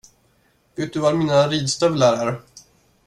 Vet du var mina ridstövlar är?